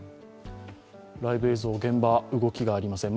ライブ映像、現場は動きがありません。